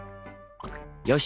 よし！